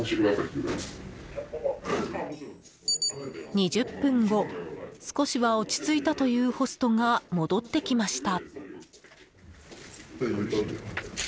２０分後少しは落ち着いたというホストが戻ってきました。